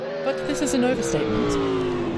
But this is an overstatement.